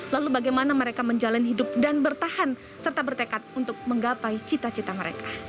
lalu bagaimana mereka menjalani hidup dan bertahan serta bertekad untuk menggapai cita cita mereka